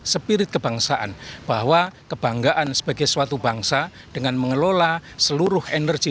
spirit kebangsaan bahwa kebanggaan sebagai suatu bangsa dengan mengelola seluruh energi